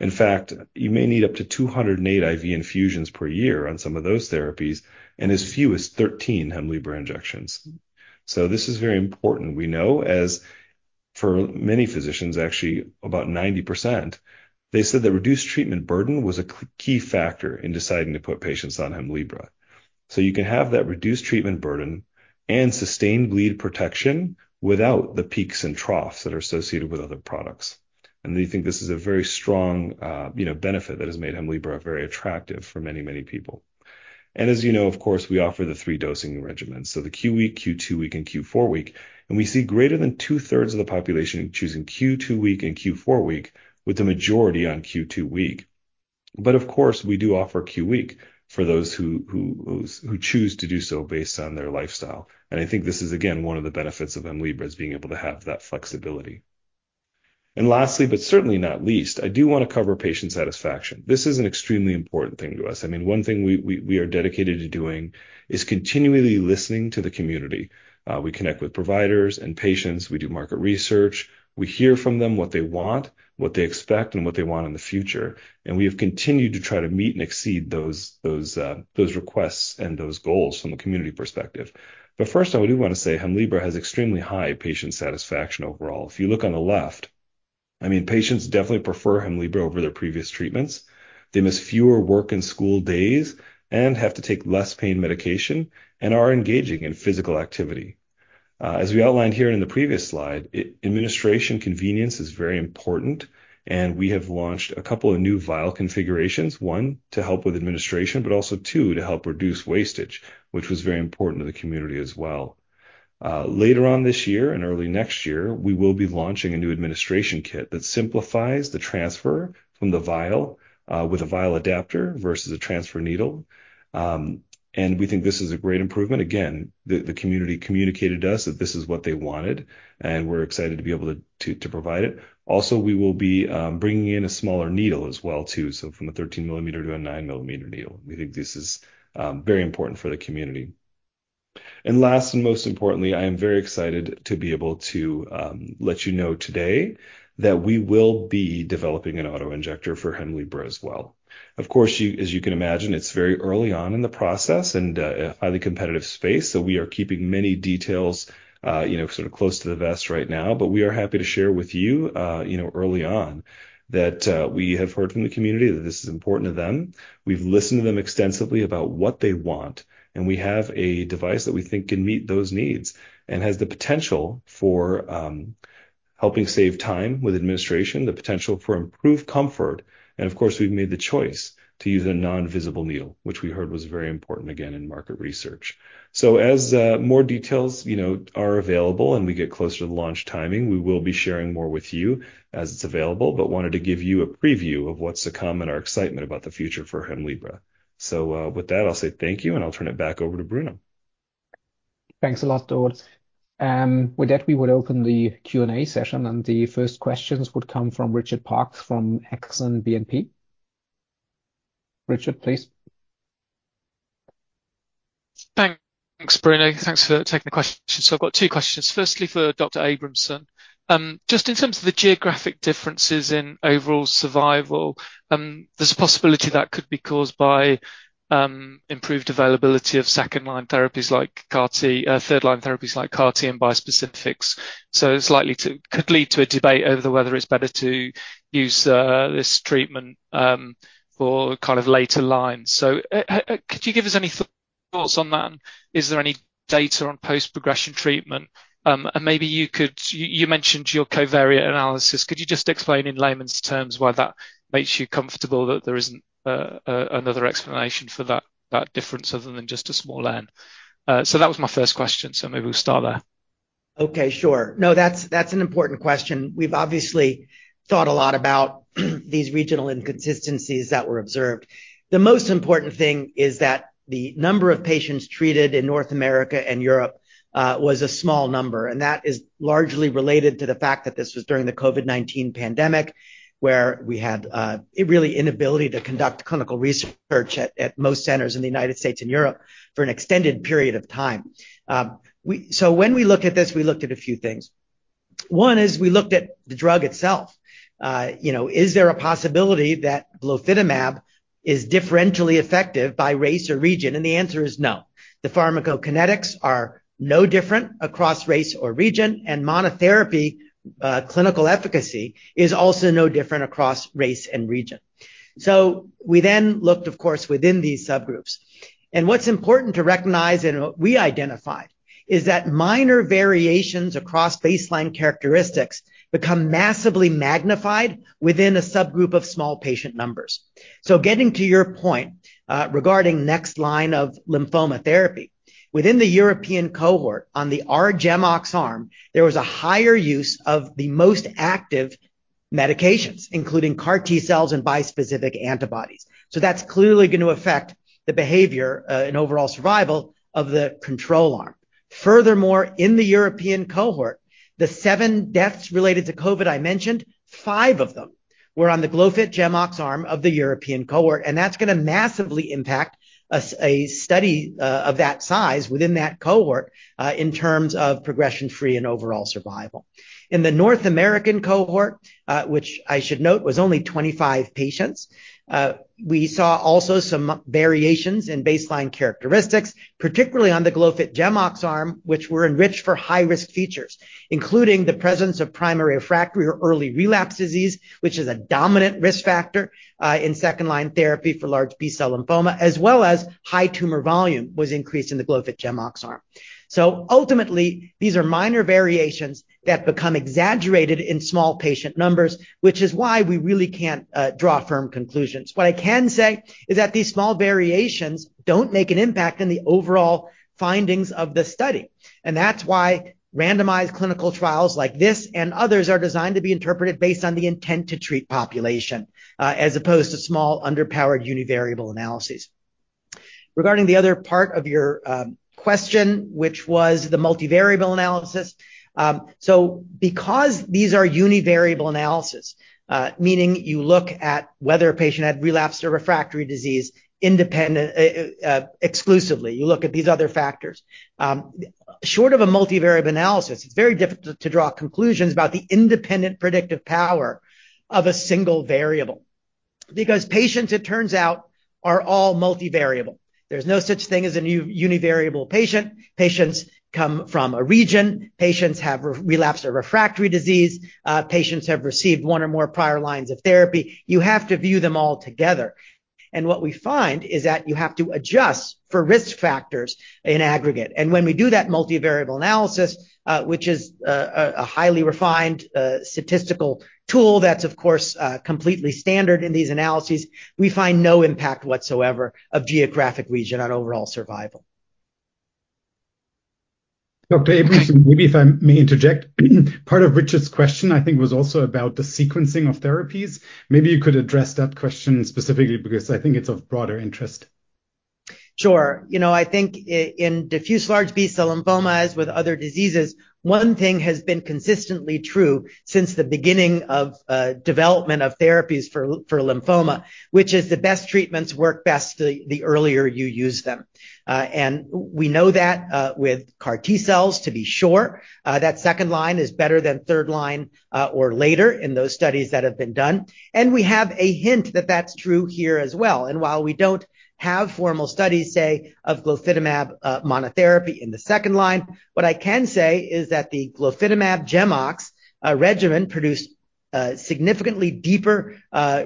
In fact, you may need up to 208 IV infusions per year on some of those therapies and as few as 13 Hemlibra injections. So this is very important. We know, as for many physicians, actually about 90%, they said that reduced treatment burden was a key factor in deciding to put patients on Hemlibra. So you can have that reduced treatment burden and sustained bleed protection without the peaks and troughs that are associated with other products. We think this is a very strong, you know, benefit that has made Hemlibra very attractive for many, many people. As you know, of course, we offer the three dosing regimens: so the Q-week, Q-two-week, and Q-four-week, and we see greater than two-thirds of the population choosing Q-two-week and Q-four-week, with the majority on Q-two-week. But of course, we do offer Q-week for those who choose to do so based on their lifestyle, and I think this is, again, one of the benefits of Hemlibra, is being able to have that flexibility. Lastly, but certainly not least, I do want to cover patient satisfaction. This is an extremely important thing to us. I mean, one thing we are dedicated to doing is continually listening to the community. We connect with providers and patients, we do market research, we hear from them what they want, what they expect, and what they want in the future, and we have continued to try to meet and exceed those requests and those goals from a community perspective. But first, I do want to say Hemlibra has extremely high patient satisfaction overall. If you look on the left, I mean, patients definitely prefer Hemlibra over their previous treatments. They miss fewer work and school days and have to take less pain medication and are engaging in physical activity. As we outlined here in the previous slide, administration convenience is very important, and we have launched a couple of new vial configurations, one, to help with administration, but also two, to help reduce wastage, which was very important to the community as well. Later on this year and early next year, we will be launching a new administration kit that simplifies the transfer from the vial with a vial adapter versus a transfer needle. And we think this is a great improvement. Again, the community communicated to us that this is what they wanted, and we're excited to be able to provide it. Also, we will be bringing in a smaller needle as well, too. So from a 13-millimeter to a 9-millimeter needle. We think this is very important for the community. And last, and most importantly, I am very excited to be able to let you know today that we will be developing an auto-injector for Hemlibra as well. Of course, you, as you can imagine, it's very early on in the process and, a highly competitive space, so we are keeping many details, you know, sort of close to the vest right now. But we are happy to share with you, you know, early on, that, we have heard from the community that this is important to them. We've listened to them extensively about what they want, and we have a device that we think can meet those needs and has the potential for, helping save time with administration, the potential for improved comfort, and of course, we've made the choice to use a non-visible needle, which we heard was very important again in market research. So, as more details, you know, are available, and we get closer to the launch timing, we will be sharing more with you as it's available, but wanted to give you a preview of what's to come and our excitement about the future for Hemlibra. So, with that, I'll say thank you, and I'll turn it back over to Bruno. Thanks a lot, Daud. With that, we would open the Q&A session, and the first questions would come from Richard Parkes, from Exane BNP Paribas. Richard, please. Thanks, Bruno. Thanks for taking the question. So I've got two questions. Firstly, for Dr. Abramson. Just in terms of the geographic differences in overall survival, there's a possibility that could be caused by improved availability of second-line therapies like CAR T, third-line therapies like CAR T and bispecifics. So it's likely could lead to a debate over whether it's better to use this treatment for kind of later lines. So could you give us any thoughts on that? Is there any data on post-progression treatment? And maybe you could you mentioned your covariate analysis. Could you just explain in layman's terms why that makes you comfortable that there isn't another explanation for that, that difference other than just a small N? So that was my first question, so maybe we'll start there. Okay, sure. No, that's an important question. We've obviously thought a lot about these regional inconsistencies that were observed. The most important thing is that the number of patients treated in North America and Europe was a small number, and that is largely related to the fact that this was during the COVID-19 pandemic, where we had really inability to conduct clinical research at most centers in the United States and Europe for an extended period of time. So when we looked at this, we looked at a few things. One is we looked at the drug itself. You know, is there a possibility that glofitamab is differentially effective by race or region? And the answer is no. The pharmacokinetics are no different across race or region, and monotherapy clinical efficacy is also no different across race and region. So we then looked, of course, within these subgroups, and what's important to recognize and what we identified is that minor variations across baseline characteristics become massively magnified within a subgroup of small patient numbers. So getting to your point regarding next line of lymphoma therapy. Within the European cohort on the R-GEMOX arm, there was a higher use of the most active medications, including CAR T cells and bispecific antibodies. So that's clearly going to affect the behavior and overall survival of the control arm.... furthermore, in the European cohort, the seven deaths related to COVID I mentioned, 5 of them were on the glofitamab GEMOX arm of the European cohort, and that's gonna massively impact a study of that size within that cohort, in terms of progression-free and overall survival. In the North American cohort, which I should note was only 25 patients, we saw also some variations in baseline characteristics, particularly on the glofitamab GEMOX arm, which were enriched for high-risk features, including the presence of primary refractory or early relapse disease, which is a dominant risk factor in second-line therapy for large B-cell lymphoma, as well as high tumor volume was increased in the glofitamab GEMOX arm. So ultimately, these are minor variations that become exaggerated in small patient numbers, which is why we really can't draw firm conclusions. What I can say is that these small variations don't make an impact on the overall findings of the study, and that's why randomized clinical trials like this and others are designed to be interpreted based on the intent to treat population, as opposed to small, underpowered univariable analysis. Regarding the other part of your question, which was the multivariable analysis, so because these are univariable analysis, meaning you look at whether a patient had relapsed or refractory disease independent exclusively, you look at these other factors. Short of a multivariable analysis, it's very difficult to draw conclusions about the independent predictive power of a single variable. Because patients, it turns out, are all multivariable. There's no such thing as a univariable patient. Patients come from a region, patients have relapsed or refractory disease, patients have received one or more prior lines of therapy. You have to view them all together. And what we find is that you have to adjust for risk factors in aggregate. And when we do that multivariable analysis, which is a highly refined statistical tool, that's, of course, completely standard in these analyses, we find no impact whatsoever of geographic region on overall survival. Dr. Abramson, maybe if I may interject. Part of Richard's question, I think, was also about the sequencing of therapies. Maybe you could address that question specifically, because I think it's of broader interest. Sure. You know, I think in diffuse large B-cell lymphoma, as with other diseases, one thing has been consistently true since the beginning of development of therapies for lymphoma, which is the best treatments work best the earlier you use them. And we know that with CAR T-cells, to be sure, that second line is better than third line or later in those studies that have been done, and we have a hint that that's true here as well. And while we don't have formal studies, say, of glofitamab monotherapy in the second line, what I can say is that the glofitamab GEMOX regimen produced significantly deeper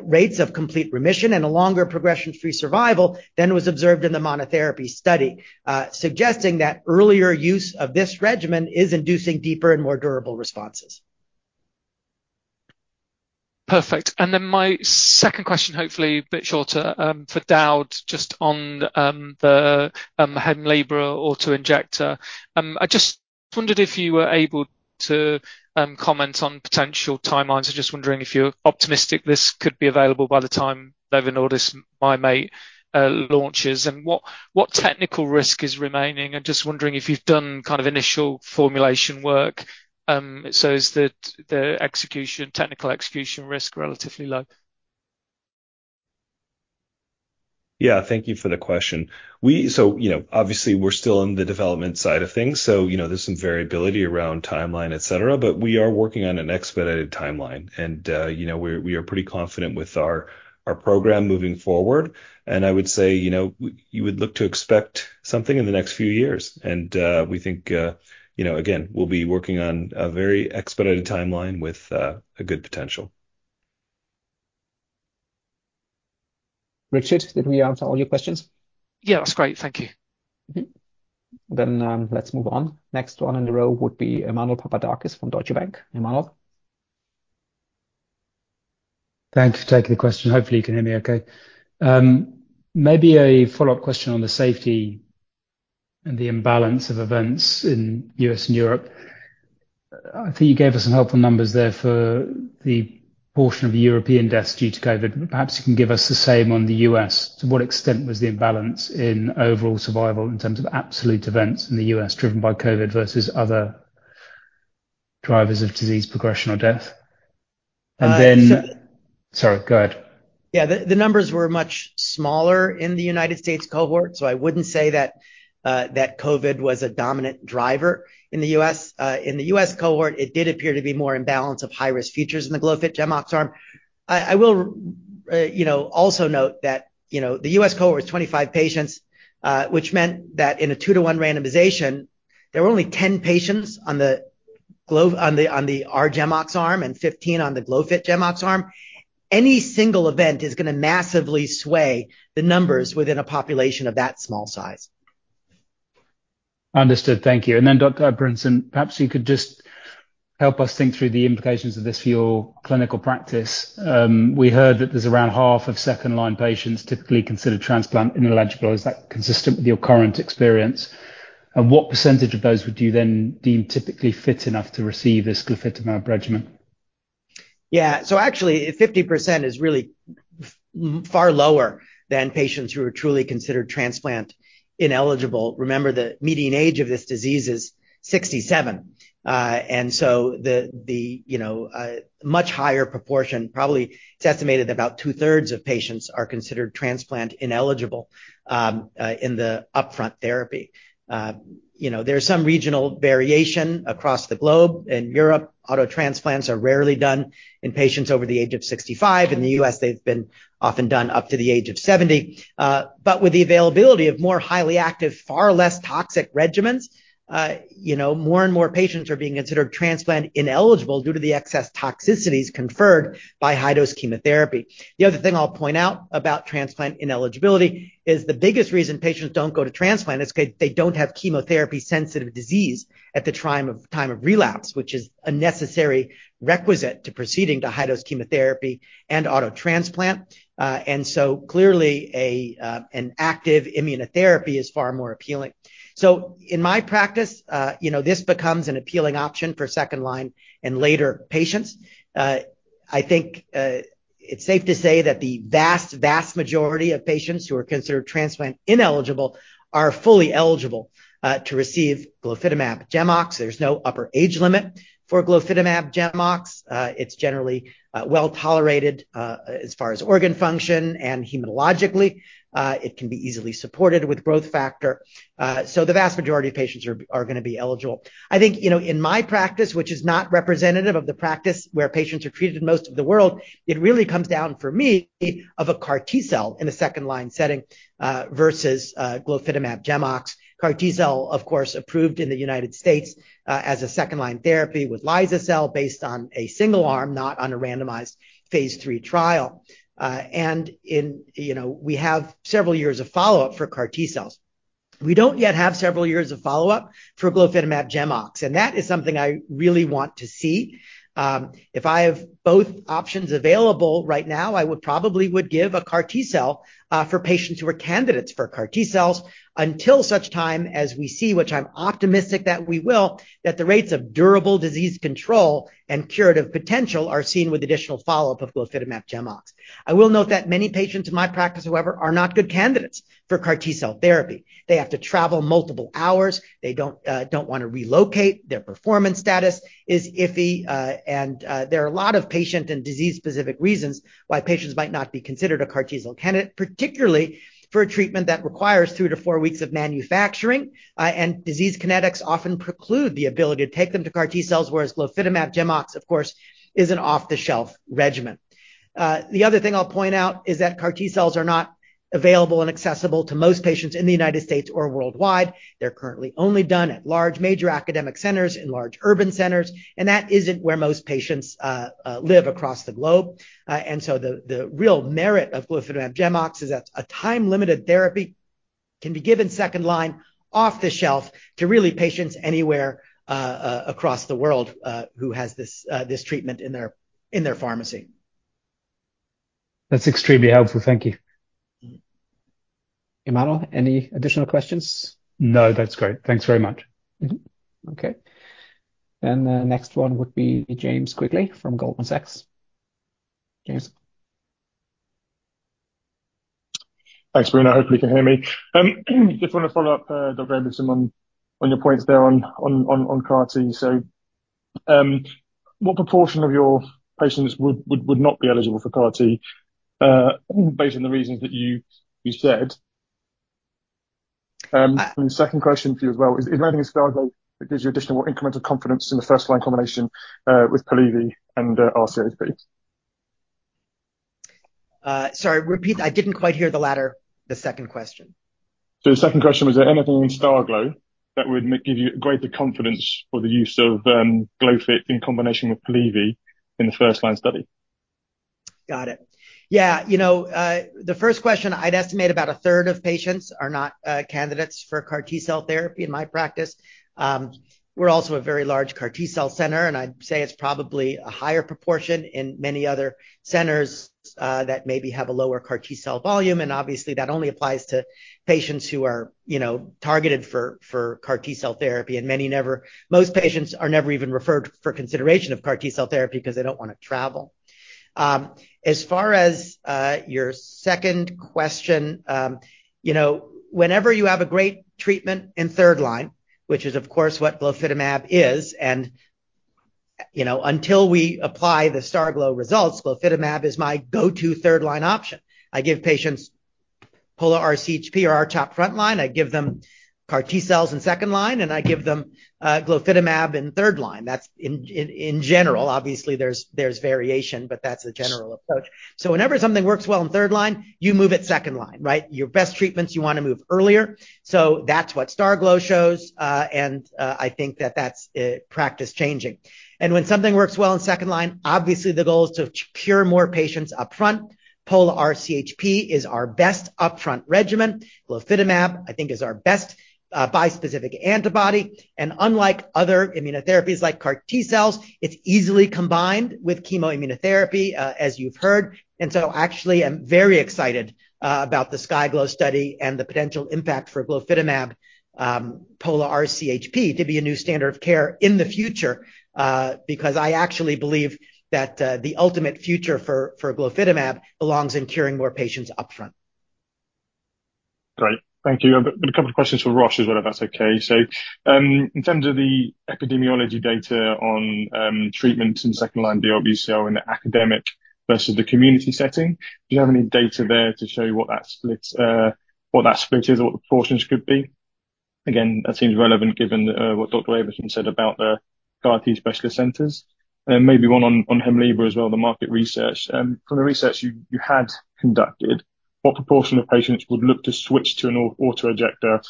rates of complete remission and a longer progression-free survival than was observed in the monotherapy study, suggesting that earlier use of this regimen is inducing deeper and more durable responses. Perfect. My second question, hopefully a bit shorter, for Daud, just on the Hemlibra auto-injector. I just wondered if you were able to comment on potential timelines. I'm just wondering if you're optimistic this could be available by the time Novo Nordisk's Mim8, launches, and what technical risk is remaining? I'm just wondering if you've done kind of initial formulation work. So is the execution, technical execution risk relatively low? Yeah, thank you for the question. So, you know, obviously, we're still in the development side of things, so, you know, there's some variability around timeline, et cetera. But we are working on an expedited timeline, and, you know, we are pretty confident with our program moving forward. And I would say, you know, you would look to expect something in the next few years. And, we think, you know, again, we'll be working on a very expedited timeline with a good potential. Richard, did we answer all your questions? Yeah, that's great. Thank you. Mm-hmm. Then, let's move on. Next one in the row would be Emmanuel Papadakis from Deutsche Bank. Emmanuel? Thanks for taking the question. Hopefully, you can hear me okay. Maybe a follow-up question on the safety and the imbalance of events in U.S. and Europe. I think you gave us some helpful numbers there for the portion of European deaths due to COVID. Perhaps you can give us the same on the U.S. To what extent was the imbalance in overall survival in terms of absolute events in the U.S., driven by COVID versus other drivers of disease progression or death? And then- So- Sorry, go ahead. Yeah, the numbers were much smaller in the United States cohort, so I wouldn't say that COVID was a dominant driver in the US. In the US cohort, it did appear to be more imbalance of high-risk features in the glofitamab GEMOX arm. I will, you know, also note that, you know, the US cohort is 25 patients, which meant that in a 2-to-1 randomization, there were only 10 patients on the R-GEMOX arm, and 15 on the glofitamab GEMOX arm. Any single event is gonna massively sway the numbers within a population of that small size. Understood. Thank you. And then, Dr. Abramson, perhaps you could just help us think through the implications of this for your clinical practice. We heard that there's around half of second-line patients typically considered transplant ineligible. Is that consistent with your current experience? And what percentage of those would you then deem typically fit enough to receive this glofitamab regimen?... Yeah, so actually, 50% is really far lower than patients who are truly considered transplant ineligible. Remember, the median age of this disease is 67. And so the, the, you know, much higher proportion, probably, it's estimated that about 2/3 of patients are considered transplant ineligible, in the upfront therapy. You know, there's some regional variation across the globe. In Europe, auto transplants are rarely done in patients over the age of 65. In the US, they've been often done up to the age of 70. But with the availability of more highly active, far less toxic regimens, you know, more and more patients are being considered transplant ineligible due to the excess toxicities conferred by high-dose chemotherapy. The other thing I'll point out about transplant ineligibility is the biggest reason patients don't go to transplant is 'cause they don't have chemotherapy-sensitive disease at the time of relapse, which is a necessary requisite to proceeding to high-dose chemotherapy and auto transplant. And so clearly, an active immunotherapy is far more appealing. So in my practice, you know, this becomes an appealing option for second-line and later patients. I think, it's safe to say that the vast, vast majority of patients who are considered transplant ineligible are fully eligible to receive glofitamab GEMOX. There's no upper age limit for glofitamab GEMOX. It's generally well-tolerated as far as organ function, and hematologically it can be easily supported with growth factor. So the vast majority of patients are, are gonna be eligible. I think, you know, in my practice, which is not representative of the practice where patients are treated in most of the world, it really comes down for me of a CAR T-cell in a second-line setting versus glofitamab GEMOX. CAR T-cell, of course, approved in the United States as a second-line therapy with axi-cel based on a single arm, not on a randomized phase III trial. And in... you know, we have several years of follow-up for CAR T-cells. We don't yet have several years of follow-up for glofitamab GEMOX, and that is something I really want to see. If I have both options available right now, I would probably give a CAR T cell for patients who are candidates for CAR T cells until such time as we see, which I'm optimistic that we will, that the rates of durable disease control and curative potential are seen with additional follow-up of glofitamab GEMOX. I will note that many patients in my practice, however, are not good candidates for CAR T cell therapy. They have to travel multiple hours. They don't don't want to relocate. Their performance status is iffy, and there are a lot of patient and disease-specific reasons why patients might not be considered a CAR T cell candidate, particularly for a treatment that requires 2-4 weeks of manufacturing, and disease kinetics often preclude the ability to take them to CAR T cells, whereas glofitamab GEMOX, of course, is an off-the-shelf regimen. The other thing I'll point out is that CAR T cells are not available and accessible to most patients in the United States or worldwide. They're currently only done at large, major academic centers, in large urban centers, and that isn't where most patients live across the globe. So, the real merit of glofitamab GEMOX is that a time-limited therapy can be given second-line, off-the-shelf, to really patients anywhere across the world who has this treatment in their pharmacy. That's extremely helpful. Thank you. Emmanuel, any additional questions? No, that's great. Thanks very much. Mm-hmm. Okay. Then the next one would be James Quigley from Goldman Sachs. James. Thanks, Bruno. Hopefully, you can hear me. Just want to follow up, Dr. Anderson, on your points there on CAR T. So, what proportion of your patients would not be eligible for CAR T, based on the reasons that you said? And the second question for you as well, is there anything in STARGLO that gives you additional incremental confidence in the first-line combination, with Polivy and R-CHP? Sorry, repeat that. I didn't quite hear the latter, the second question. So the second question, was there anything in STARGLO that would give you greater confidence for the use of glofit in combination with Polivy in the first-line study? Got it. Yeah, you know, the first question, I'd estimate about a third of patients are not candidates for CAR T-cell therapy in my practice. We're also a very large CAR T-cell center, and I'd say it's probably a higher proportion in many other centers that maybe have a lower CAR T-cell volume, and obviously, that only applies to patients who are, you know, targeted for CAR T-cell therapy. And many never... most patients are never even referred for consideration of CAR T-cell therapy because they don't want to travel. As far as your second question, you know, whenever you have a great treatment in third line, which is, of course, what glofitamab is, and, you know, until we apply the STARGLO results, glofitamab is my go-to third-line option. I give patients Pola-R-CHP or R-CHOP front line. I give them CAR T cells in second line, and I give them glofitamab in third line. That's in general. Obviously, there's variation, but that's a general approach. So whenever something works well in third line, you move it second line, right? Your best treatments, you want to move earlier. So that's what STARGLO shows. And I think that that's practice changing. And when something works well in second line, obviously, the goal is to cure more patients upfront. Pola-R-CHP is our best upfront regimen. Glofitamab, I think, is our best bispecific antibody, and unlike other immunotherapies like CAR T cells, it's easily combined with chemoimmunotherapy, as you've heard. And so actually, I'm very excited about the SKYGLO study and the potential impact for glofitamab, Pola-R-CHP, to be a new standard of care in the future, because I actually believe that the ultimate future for, for glofitamab belongs in curing more patients upfront.... Great. Thank you. But a couple of questions for Roche as well, if that's okay. So, in terms of the epidemiology data on treatment in second-line LBCL in the academic versus the community setting, do you have any data there to show what that split is or what the proportions could be? Again, that seems relevant given what Dr. Abramson said about the CAR T specialist centers. And maybe one on Hemlibra as well, the market research. From the research you had conducted, what proportion of patients would look to switch to an autoinjector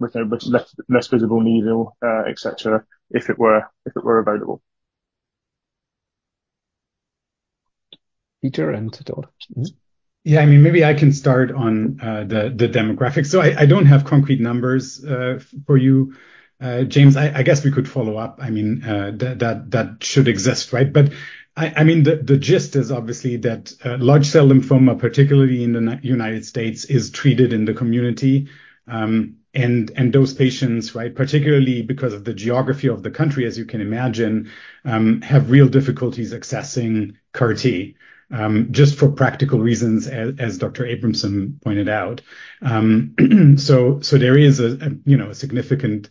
with a less visible needle, et cetera, if it were available? Peter Welford. Yeah, I mean, maybe I can start on the demographics. So I don't have concrete numbers for you, James. I guess we could follow up. I mean, that should exist, right? But I mean, the gist is obviously that large cell lymphoma, particularly in the United States, is treated in the community. And those patients, right, particularly because of the geography of the country, as you can imagine, have real difficulties accessing CAR T just for practical reasons, as Dr. Abramson pointed out. So there is, you know, a significant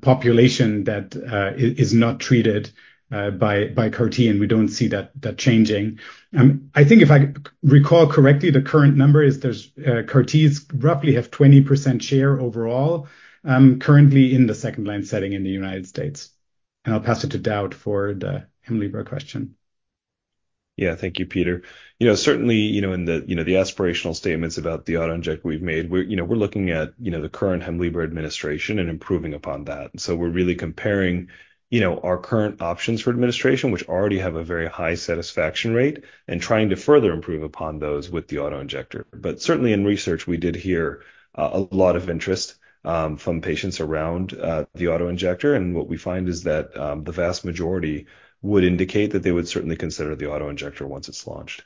population that is not treated by CAR T, and we don't see that changing. I think if I recall correctly, the current number is there's, CAR T is roughly have 20% share overall, currently in the second-line setting in the United States. And I'll pass it to Daud for the Hemlibra question. Yeah. Thank you, Peter. You know, certainly, you know, in the, you know, the aspirational statements about the auto-injector we've made, we're, you know, we're looking at, you know, the current Hemlibra administration and improving upon that. And so we're really comparing, you know, our current options for administration, which already have a very high satisfaction rate, and trying to further improve upon those with the auto-injector. But certainly in research, we did hear a lot of interest from patients around the auto-injector, and what we find is that the vast majority would indicate that they would certainly consider the auto-injector once it's launched.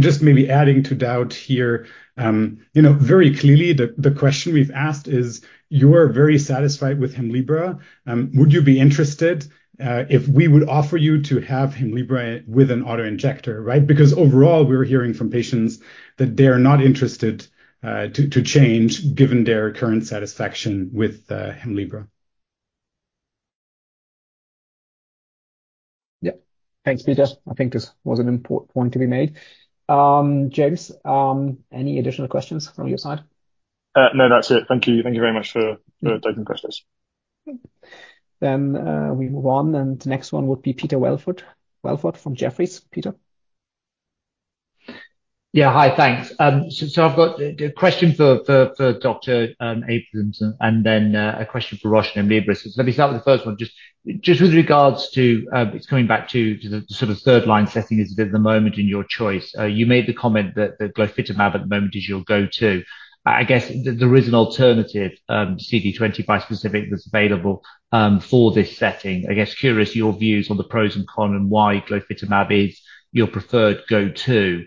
Just maybe adding to Daud here, you know, very clearly the question we've asked is: You are very satisfied with Hemlibra, would you be interested if we would offer you to have Hemlibra with an auto-injector, right? Because overall, we're hearing from patients that they are not interested to change, given their current satisfaction with Hemlibra. Yeah. Thanks, Peter. I think this was an important point to be made. James, any additional questions from your side? No, that's it. Thank you. Thank you very much for taking questions. Then, we move on, and the next one would be Peter Welford... Welford from Jefferies. Peter? Yeah. Hi, thanks. So I've got a question for Dr. Abramson and then a question for Roche and Hemlibra. So let me start with the first one. Just with regards to, it's coming back to the sort of third line setting at the moment in your choice. You made the comment that the glofitamab at the moment is your go-to. I guess there is an alternative CD20-specific that's available for this setting. I'm curious your views on the pros and cons and why glofitamab is your preferred go-to.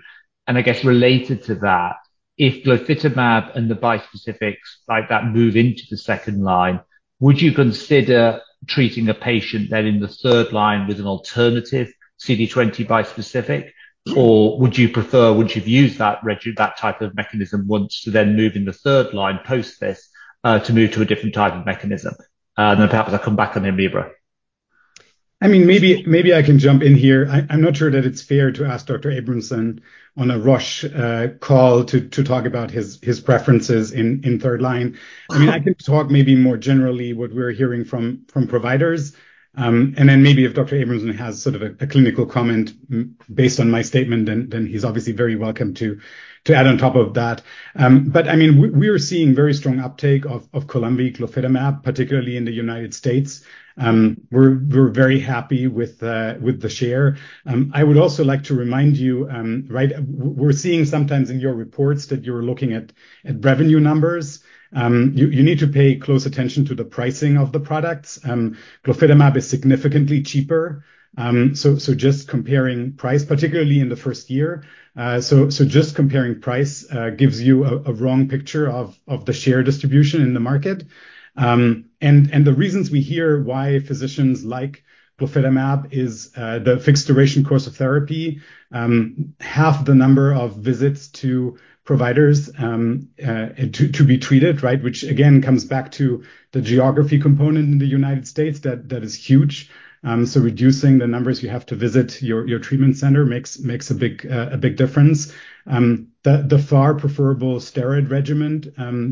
And I guess related to that, if glofitamab and the bispecifics like that move into the second line, would you consider treating a patient then in the third line with an alternative CD20 bispecific? Or would you prefer, once you've used that type of mechanism once, to then move in the third line post this, to move to a different type of mechanism? And then perhaps I'll come back on Hemlibra. I mean, maybe, maybe I can jump in here. I'm not sure that it's fair to ask Dr. Abramson on a Roche call to talk about his preferences in third line. Uh- I mean, I can talk maybe more generally what we're hearing from, from providers. And then maybe if Dr. Abramson has sort of a, a clinical comment based on my statement, then, then he's obviously very welcome to, to add on top of that. But I mean, we, we are seeing very strong uptake of, of Columvi glofitamab, particularly in the United States. We're, we're very happy with the, with the share. I would also like to remind you, right, we're seeing sometimes in your reports that you're looking at, at revenue numbers. You, you need to pay close attention to the pricing of the products. Glofitamab is significantly cheaper. So just comparing price, particularly in the first year, gives you a wrong picture of the share distribution in the market. And the reasons we hear why physicians like glofitamab is the fixed duration course of therapy, half the number of visits to providers to be treated, right, which again comes back to the geography component in the United States. That is huge. So reducing the numbers you have to visit your treatment center makes a big difference. The far preferable steroid regimen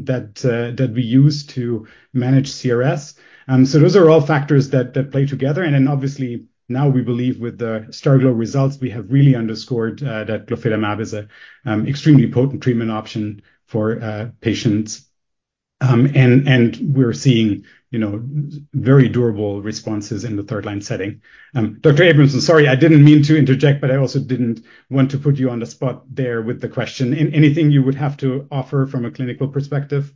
that we use to manage CRS. So those are all factors that play together. And then obviously, now we believe with the STARGLO results, we have really underscored that glofitamab is a extremely potent treatment option for patients. And we're seeing, you know, very durable responses in the third line setting. Dr. Abramson, sorry, I didn't mean to interject, but I also didn't want to put you on the spot there with the question. Anything you would have to offer from a clinical perspective?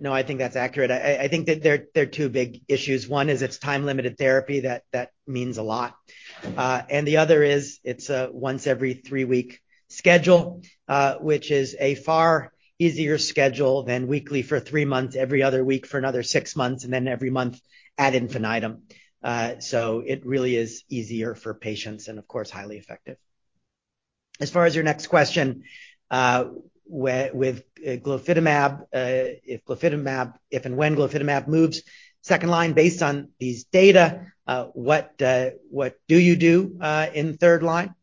No, I think that's accurate. I think that there are two big issues. One is it's time-limited therapy, that means a lot. And the other is it's a once every three week schedule, which is a far easier schedule than weekly for three months, every other week for another six months, and then every month ad infinitum. So it really is easier for patients and, of course, highly effective. As far as your next question, with glofitamab, if and when glofitamab moves second line based on these data, what do you do in third line?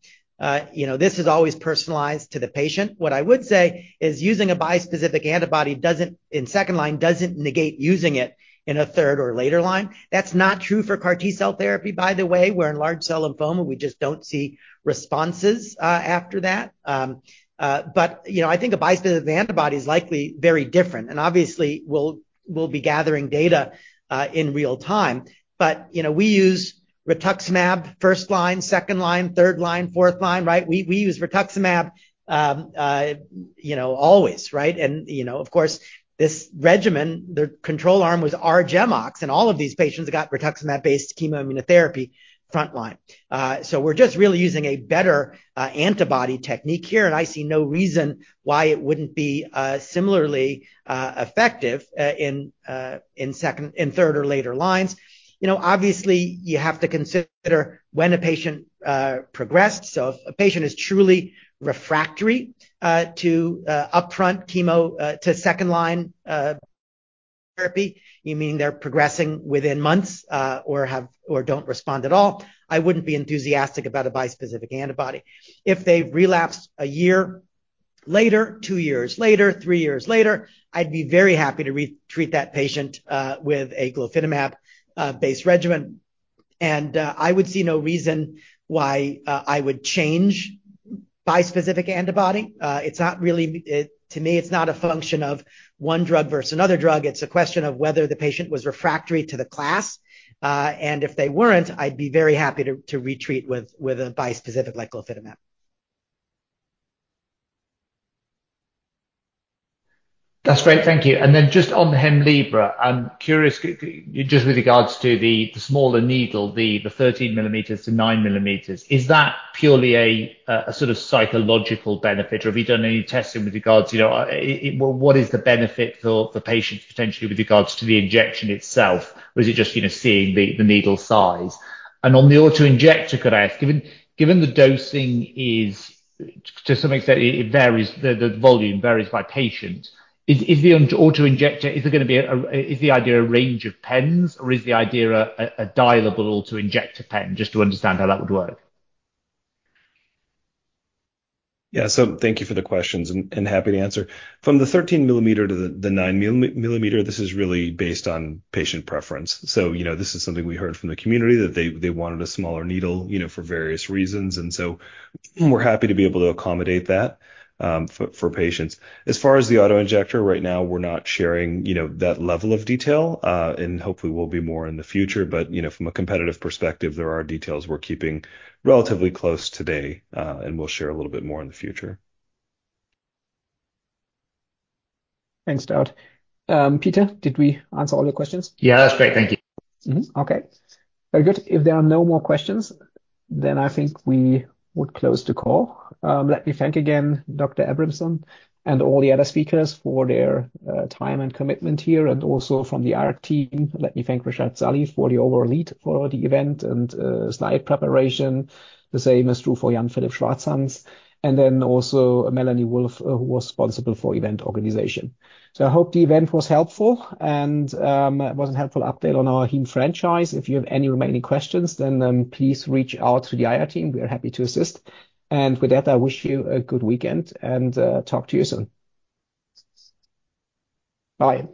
You know, this is always personalized to the patient. What I would say is using a bispecific antibody doesn't, in second line, negate using it in a third or later line. That's not true for CAR T-cell therapy, by the way, where in large cell lymphoma, we just don't see responses after that. But, you know, I think a bispecific antibody is likely very different, and obviously we'll, we'll be gathering data in real time. But, you know, we use rituximab first line, second line, third line, fourth line, right? We, we use rituximab, you know, always, right? And, you know, of course, this regimen, the control arm, was R-GEMOX, and all of these patients got rituximab-based chemoimmunotherapy frontline. So we're just really using a better antibody technique here, and I see no reason why it wouldn't be similarly effective in second and third or later lines. You know, obviously, you have to consider when a patient progressed. So if a patient is truly refractory to upfront chemo to second line therapy, you mean they're progressing within months or have or don't respond at all, I wouldn't be enthusiastic about a bispecific antibody. If they've relapsed a year later, two years later, three years later, I'd be very happy to re-treat that patient with a glofitamab based regimen. I would see no reason why I would change bispecific antibody. It's not really... To me, it's not a function of one drug versus another drug, it's a question of whether the patient was refractory to the class, and if they weren't, I'd be very happy to retreat with a bispecific, like glofitamab. That's great. Thank you. And then just on Hemlibra, I'm curious, just with regards to the smaller needle, the thirteen millimeters to nine millimeters, is that purely a sort of psychological benefit, or have you done any testing with regards, you know, what is the benefit for the patient potentially with regards to the injection itself, or is it just, you know, seeing the needle size? And on the autoinjector, could I ask, given the dosing is to some extent, it varies, the volume varies by patient, is the autoinjector, is it gonna be a, is the idea a range of pens, or is the idea a dialable to inject a pen? Just to understand how that would work. Yeah. So thank you for the questions, and happy to answer. From the 13 mm to the 9 mm, this is really based on patient preference. So, you know, this is something we heard from the community, that they wanted a smaller needle, you know, for various reasons, and so we're happy to be able to accommodate that, for patients. As far as the autoinjector, right now, we're not sharing, you know, that level of detail, and hopefully we'll be more in the future. But, you know, from a competitive perspective, there are details we're keeping relatively close today, and we'll share a little bit more in the future. Thanks, Daud. Peter, did we answer all your questions? Yeah, that's great. Thank you. Mm-hmm. Okay, very good. If there are no more questions, then I think we would close the call. Let me thank again Dr. Abramson and all the other speakers for their time and commitment here, and also from the IR team. Let me thank Reshad Saleh for the overall lead for the event and slide preparation. The same is true for Jan-Philipp Schwarzhans, and then also Melanie Wolf, who was responsible for event organization. So I hope the event was helpful and it was a helpful update on our heme franchise. If you have any remaining questions, then please reach out to the IR team. We are happy to assist, and with that, I wish you a good weekend and talk to you soon. Bye.